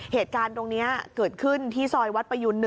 เหตุการณ์ตรงนี้เกิดขึ้นที่ซอยวัดประยุณ๑